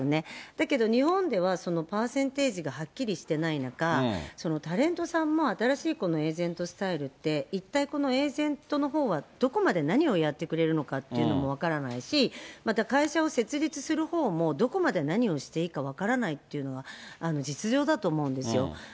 だけど日本ではそのパーセンテージがはっきりしてない中、タレントさんも新しいこのエージェントスタイルって、一体このエージェントのほうは、どこまで何をやってくれるのかっていうのも分からないし、また会社を設立するほうも、どこまで何をしていいか分からないっていうのは実情だと思うんですよ。